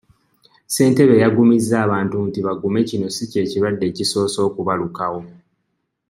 Ssentebe yagumizza abantu nti bagume kino si ky'ekirwadde ekisoose okubalukawo.